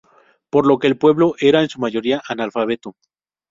Por lo que el pueblo era en su mayoría analfabeto.